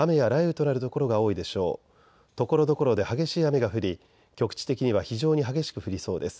ところどころで激しい雨が降り局地的には非常に激しく降りそうです。